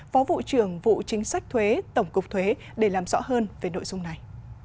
phó vụ trưởng vụ chính sách thuế tổng cục thuế để làm rõ hơn về nội dung này